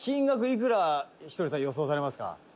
いくらひとりさん予想されますか？」